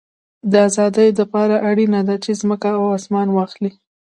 د آزادۍ له پاره اړینه ده، چي مځکه او اسمان واخلې.